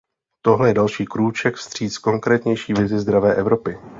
Tohle je další krůček vstříc konkrétnější vizi zdravé Evropy.